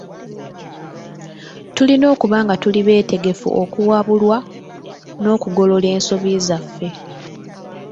Tulina okuba nga tuli beetegefu okuwabulwa, n'okugolola ensobi zaffe.